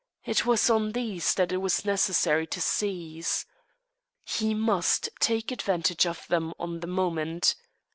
It was on these that it was necessary to seize. He must take advantage of them on the moment.